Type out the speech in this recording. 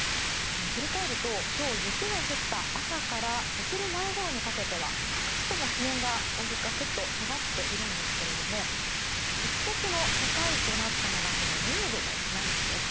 振り返ると、今日雪が降った朝からお昼前ごろにかけては各地とも気温が、ガクッと下がっているんですけれども積雪の境となったのが０度のラインです。